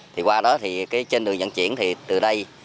thì qua đó thì trên đường dân chuyển thì từ đây